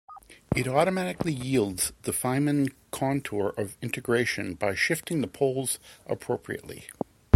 It automatically yields the Feynman contour of integration by shifting the poles appropriately.